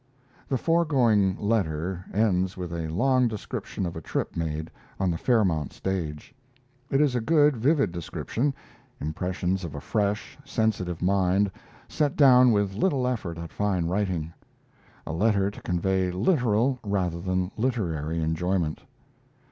The foregoing letter ends with a long description of a trip made on the Fairmount stage. It is a good, vivid description impressions of a fresh, sensitive mind, set down with little effort at fine writing; a letter to convey literal rather than literary enjoyment.